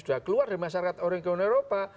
sudah keluar dari masyarakat orang ke uni eropa